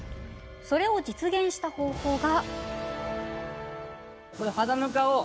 それを実現した方法が。